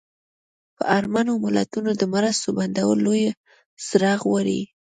پر اړمنو ملتونو د مرستو بندول لوی زړه غواړي.